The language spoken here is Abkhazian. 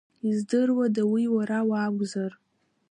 Издыруада, уи уара уакәзар?